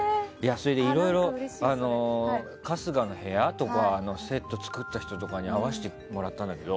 それで、いろいろ春日の部屋とかセットを作った人とかに会わせてもらったんだけど。